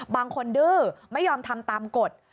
บางคนดื้อไม่ยอมทำตามกฎ